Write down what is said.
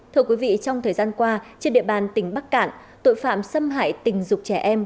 thưa quý vị trong thời gian qua trên địa bàn tỉnh bắc cạn tội phạm xâm hại tình dục trẻ em